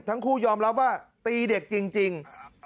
ทั้งคู่ยอมรับว่าตีเด็กจริง